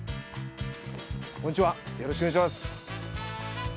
こんにちはよろしくお願いします。